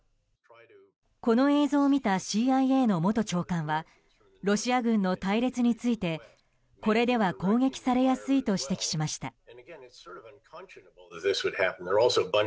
この映像を見たＣＩＡの元長官はロシア軍の隊列についてこれでは攻撃されやすいと指摘しました。